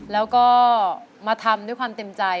แล้วก็มาทำด้วยความเต็มใจ